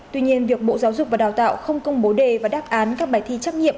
tuy nhiên việc bộ giáo dục và đào tạo không công bố đề và đáp án các bài thi trắc nghiệm